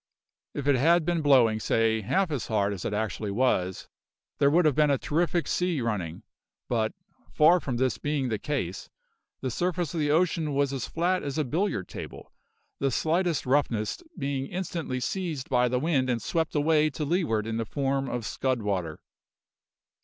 If it had been blowing, say, half as hard as it actually was, there would have been a terrific sea running, but, far from this being the case, the surface of the ocean was as flat as a billiard table, the slightest roughness being instantly seized by the wind and swept away to leeward in the form of scud water.